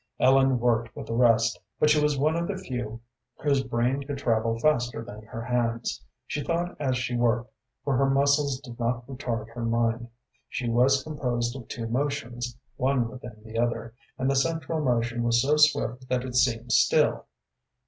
Ellen worked with the rest, but she was one of the few whose brain could travel faster than her hands. She thought as she worked, for her muscles did not retard her mind. She was composed of two motions, one within the other, and the central motion was so swift that it seemed still.